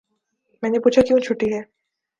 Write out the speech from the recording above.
میں نے پوچھا کیوں چھٹی ہے